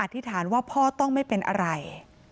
ธิษฐานว่าพ่อต้องไม่เป็นอะไร